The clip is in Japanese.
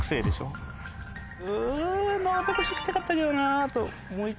うん。